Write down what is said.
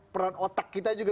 peran otak kita juga